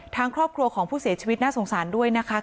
ทางครอบครัวของผู้เสียชีวิตน่าสงสารด้วยนะคะ